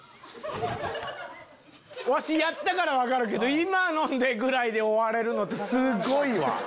ワシやったから分かるけど今ぐらいで終われるのすごいわ！